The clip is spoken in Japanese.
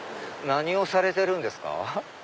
何をされてるんですか？